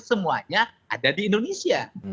semuanya ada di indonesia